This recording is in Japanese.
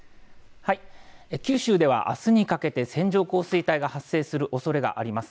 九州ではあすにかけて、線状降水帯が発生するおそれがあります。